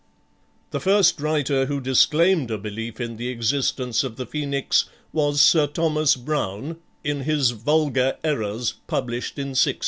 The first writer who disclaimed a belief in the existence of the Phoenix was Sir Thomas Browne, in his "Vulgar Errors," published in 1646.